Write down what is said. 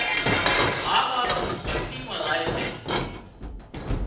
ما ٻاپ ڀڳتي مان زائي سي